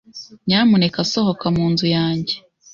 Nyamuneka sohoka mu nzu yanjye.